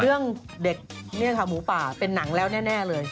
เรื่องเด็กนี่ค่ะหมูป่าเป็นหนังแล้วแน่เลย